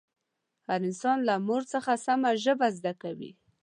هر انسان له مور څخه سمه ژبه زده کوي